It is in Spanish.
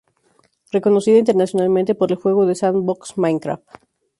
Reconocida internacionalmente por el juego de "sandbox" "Minecraft".